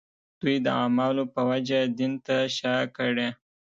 دوی د اعمالو په وجه دین ته شا کړي.